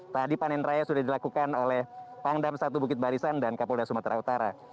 tadi panen raya sudah dilakukan oleh pangdam satu bukit barisan dan kapolda sumatera utara